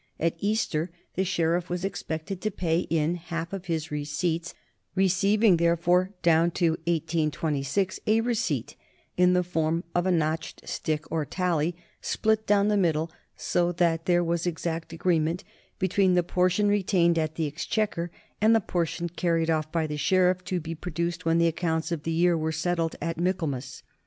At Easter the sheriff was expected to pay in half of his receipts, receiving there for down to 1826 a receipt in the form of a notched stick or tally, split down the middle so that there was exact agreement between the portion retained at the exchequer and the portion carried off by the sheriff to be produced when the acounts of the year were settled at Michael mas.